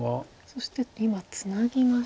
そして今ツナぎました。